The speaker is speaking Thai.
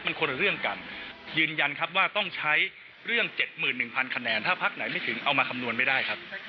มันคนละเรื่องกันยืนยันครับว่าต้องใช้เรื่อง๗๑๐๐คะแนนถ้าพักไหนไม่ถึงเอามาคำนวณไม่ได้ครับ